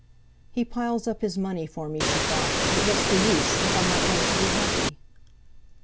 'He piles up his money for me,' she thought; 'but what's the use, if I'm not going to be happy?'